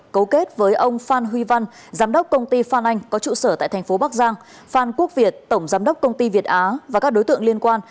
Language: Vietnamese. cấu kết với ông phan huy văn giám đốc công ty phan anh có trụ sở tại thành phố bắc giang phan quốc việt tổng giám đốc công ty việt á và các đối tượng liên quan